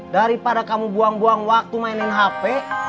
dari pada kamu buang buang waktu mainin hp